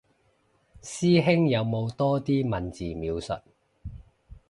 師兄有冇多啲文字描述